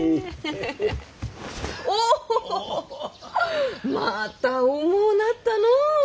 おぉまた重うなったのぅ。